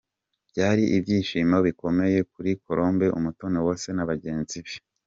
Byari ibyishimo bikomeye kuri Colombe Umutoniwase na bagenzi be.